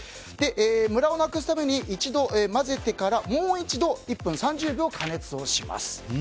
むらをなくすために一度混ぜてからもう一度１分３０秒加熱します。